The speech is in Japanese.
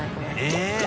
えっ！